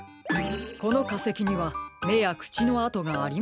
このかせきにはめやくちのあとがありませんね。